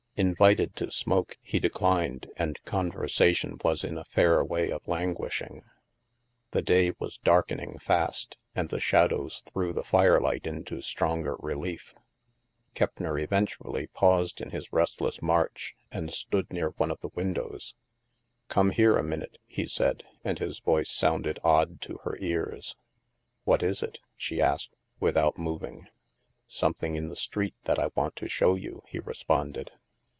Invited to smoke, he declined, and conversation was in a fair way of languishing. The day was darkening fast, and the shadows threw the firelight into stronger relief. Keppner THE MAELSTROM 167 eventually paused in his restless march, and stood near one of the windows. " Come here a minute," he said, and his voice sounded odd to her ears. "What is it?" she asked, without moving. *' Something in the street that I want to show you," he responded.